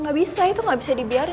gak bisa itu gak bisa dibiarin